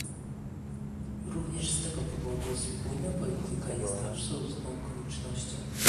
Również z tego powodu spójna polityka jest absolutną koniecznością